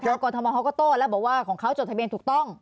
เพราะว่ากฎธรรมฮก็โต้แล้วบอกว่าของเขาจดทะเบียนถูกต้อง